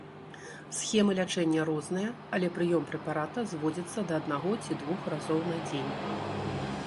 Схемы лячэння розныя, але прыём прэпарата зводзіцца да аднаго ці двух разоў на дзень.